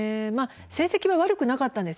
成績は悪くなかったんですよ。